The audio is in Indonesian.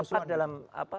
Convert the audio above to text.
saya kira tepat dalam